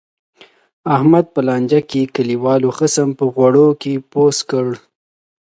احمد په لانجه کې، کلیوالو ښه سم په غوړو کې پوست کړ.